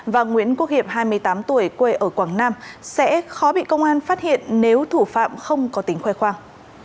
và nguyễn quốc hiệp hai mươi tám tuổi quê ở quảng nam sẽ khó bị công an phát hiện nếu thủ phạm không có tính khoe khoang